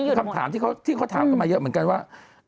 คือคำถามที่เขาถามกันมาเยอะเหมือนกันว่า